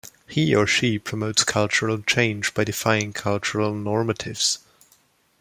He or she promotes cultural change by defying cultural normatives.